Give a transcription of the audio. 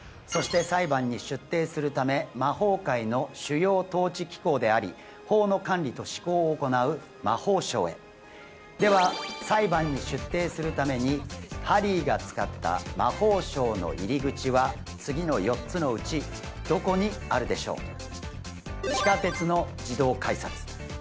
そして裁判に出廷するため魔法界の主要統治機構であり法の管理と施行を行う魔法省へでは裁判に出廷するためにハリーが使った魔法省の入り口は次の４つのうちどこにあるでしょう